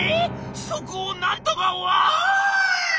そこをなんとかワオーン！」。